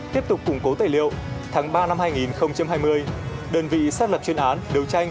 tiếp tục củng cố tài liệu tháng ba năm hai nghìn hai mươi đơn vị xác lập chuyên án đấu tranh